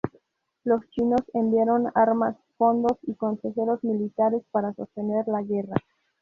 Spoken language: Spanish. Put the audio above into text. Los chinos enviaron armas, fondos, y consejeros militares para sostener la guerra.